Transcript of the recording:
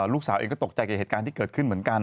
ลูกสาวเองก็ตกใจกับเหตุการณ์ที่เกิดขึ้นเหมือนกัน